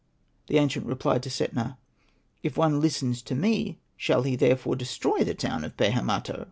'' The ancient replied to Setna, " If one listens to me, shall he therefore destroy the town of Pehemato